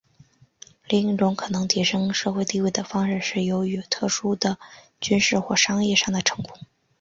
另一种可能提升社会地位的方式是由于特殊的军事或商业上的成功。